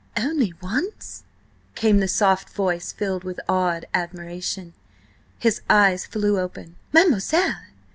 "Only once?" came the soft voice, filled with awed admiration. His eyes flew open. "Mademoiselle!